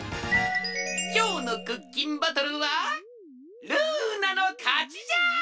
きょうのクッキンバトルはルーナのかちじゃ！